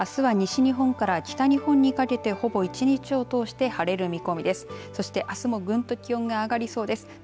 あすは西日本から北日本にかけてほぼ１日を通して晴れる見込みです。